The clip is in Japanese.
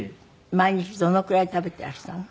毎日どのくらい食べていらしたの？